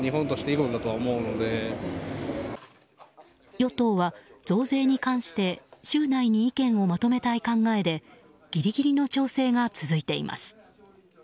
与党は増税に関して週内に意見をまとめたい考えでギリギリの調整が続いています。